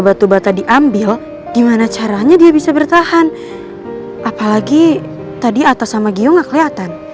sampai jumpa di video selanjutnya